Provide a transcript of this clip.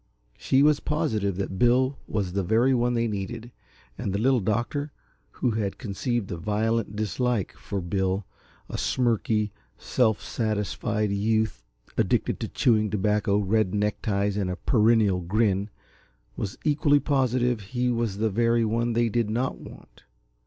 She was positive that Bill was the very one they needed, and the Little Doctor, who had conceived a violent dislike for Bill, a smirky, self satisfied youth addicted to chewing tobacco, red neckties and a perennial grin, was equally positive he was the very one they did not want.